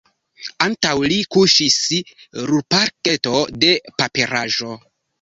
Antaŭ li kuŝis rulpaketo de paperaĵo.